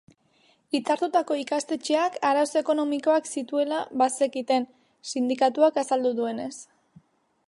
Hitzartutako ikastetxeak arazo ekonomikoak zituela bazekiten, sindikatuak azaldu duenez.